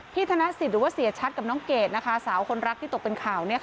ธนสิทธิ์หรือว่าเสียชัดกับน้องเกดสาวคนรักที่ตกเป็นข่าว